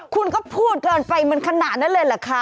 คุณก็พูดเกินไปมันขนาดนั้นเลยเหรอคะ